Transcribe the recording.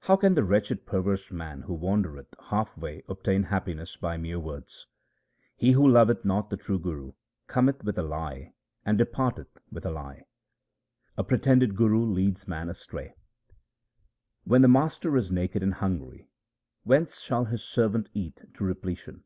How can the wretched perverse man who wandereth half way obtain happiness by mere words ? He who loveth not the true Guru cometh with a lie and departeth with a lie. 304 THE SIKH RELIGION A pretended guru leads man astray :— When the master is naked and hungry, whence shall his servant eat to repletion